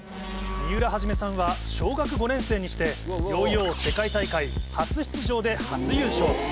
三浦元さんは小学５年生にしてヨーヨー世界大会初出場で初優勝。